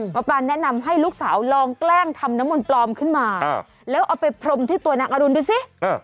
หมอปลาแนะนำให้ลูกสาวลองแกล้งทำน้ำมนต์ปลอมขึ้นมาแล้วเอาไปพรมที่ตัวนางอรุณดูสิ